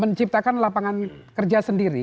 menciptakan lapangan kerja sendiri